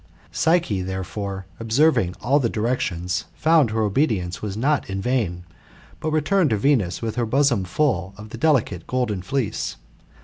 «. Psyche, therefore, observing all the directions, found her obedience was not in vain, but returned to Venus with her bosom full of the delicate golden fleece.